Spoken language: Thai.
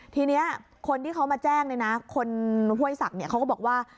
ทีนี้คนที่เขามาแจ้งคนห้วยศักดิ์เขาก็บอกว่า